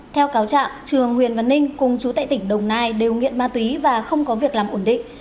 theo cáo trạng trường huyền văn ninh cùng chú tại tỉnh đồng nai đều nghiện ma túy và không có việc làm ổn định